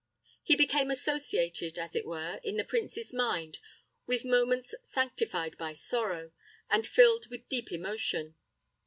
He became associated, as it were, in the prince's mind with moments sanctified by sorrow, and filled with deep emotion.